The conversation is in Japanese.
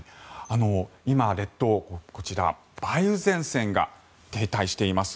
今、列島梅雨前線が停滞しています。